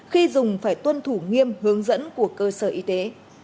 khi dùng phải tuân thủ nghiêm hướng dẫn của cơ sở y tế